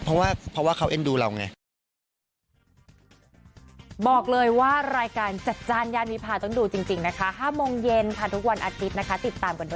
เพราะว่าเขาเอ็นดูเราไง